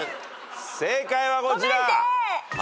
正解はこちら。